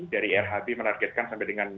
dari rhb menargetkan sampai dengan